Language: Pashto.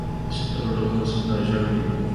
د شفتالو ډولونه سپین او ژیړ دي.